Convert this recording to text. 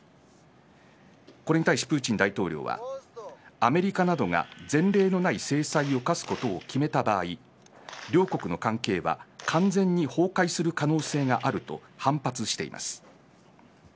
これに対しプーチン大統領はアメリカなどが前例のない制裁を科すことを決めた場合両国の関係は完全に崩壊する可能性があると反発しています。